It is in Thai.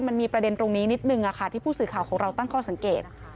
มันมีประเด็นตรงนี้นิดนึงที่ผู้สื่อข่าวของเราตั้งข้อสังเกต